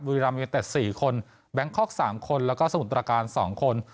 บริรามมีแต่๔คนแบงค์คอร์ก๓คนแล้วก็สมุทรการ๒คน